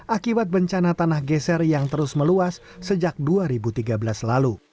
akibat bencana tanah geser yang terus meluas sejak dua ribu tiga belas lalu